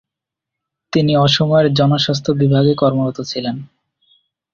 তিনি অসমের জনস্বাস্থ্য বিভাগে কর্মরত ছিলেন।